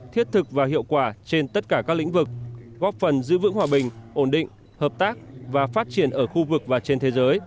thiết thực và hiệu quả trên tất cả các lĩnh vực góp phần giữ vững hòa bình ổn định hợp tác và phát triển ở khu vực và trên thế giới